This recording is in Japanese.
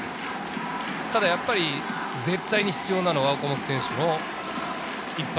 ただやっぱり絶対に必要なのは岡本選手の一発。